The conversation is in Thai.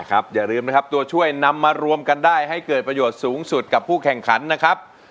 อย่าลืมนะครับตัวช่วยนำมารวมกันได้ให้เกิดประโยชน์สูงสุดกับผู้แข่งขันนะครับ